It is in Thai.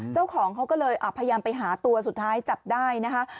เจ้าของเขาก็เลยพยายามไปหาตัวสุดท้ายจับได้นะคะ